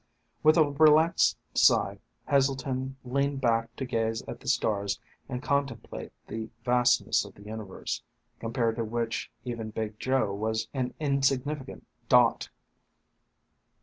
With a relaxed sigh, Heselton leaned back to gaze at the stars and contemplate the vastness of the universe, compared to which even Big Joe was an insignificant dot.